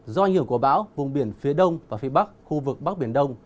do ảnh hưởng của bão vùng biển phía đông và phía bắc khu vực bắc biển đông